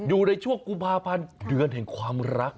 อยู่ในช่วงกุมภาพันธ์เดือนแห่งความรัก